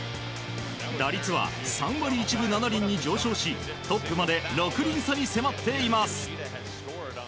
打率は３割１分７厘に上昇しトップまで６厘差に迫っています。